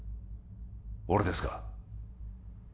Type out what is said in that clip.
俺ですが